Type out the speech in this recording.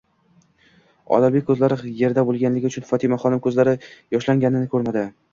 Odilbekning ko'zlari yerda bo'lgani uchun Fotimaxon uning ko'zlari yoshlanganini ko'rmadi.